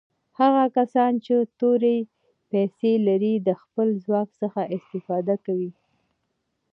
هغه کسان چې تورې پیسي لري د خپل ځواک څخه استفاده کوي.